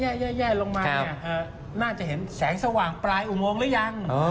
เออจากแย่ลงมาน่าจะเห็นแสงสว่างปลายอุงวงหรือยัง